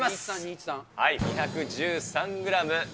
２１３グラム。